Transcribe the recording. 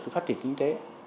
phát triển kinh tế